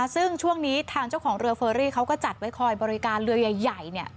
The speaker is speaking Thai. ซึ่งช่วงนี้ทางเจ้าของเรือเฟอรี่เขาก็จัดไว้คอยบริการเรือใหญ่